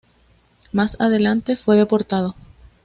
Más adelante fue deportado.